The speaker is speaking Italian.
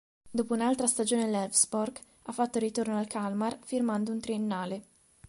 Dopo un'altra stagione all'Elfsborg, ha fatto ritorno al Kalmar firmando un triennale.